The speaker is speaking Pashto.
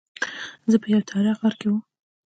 زه په یوه تیاره غار کې وم.